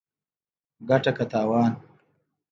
ګټه که تاوان